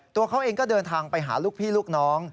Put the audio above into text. ตัวเขาเองก็เดินทางไปหาลูกพี่ลูกน้อง